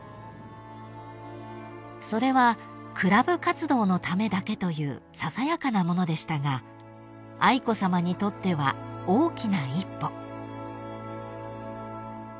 ［それはクラブ活動のためだけというささやかなものでしたが愛子さまにとっては大きな一歩］